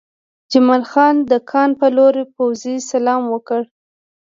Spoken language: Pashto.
جمال خان د کان په لور پوځي سلام وکړ